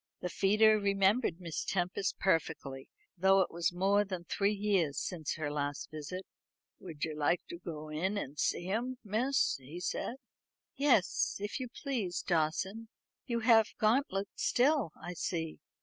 The feeder remembered Miss Tempest perfectly, though it was more than three years since her last visit. "Would you like to go in and see 'em, miss?" he said. "Yes, if you please, Dawson. You have Gauntlet still, I see.